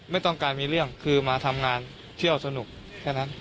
ไม่ต้องการมีเรื่องคือมาทำงานเที่ยวสนุกแค่นั้น